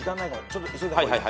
ちょっと急いだ方がいい。